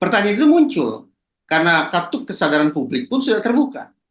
pertanyaan itu muncul karena tatuk kesadaran publik pun sudah terbuka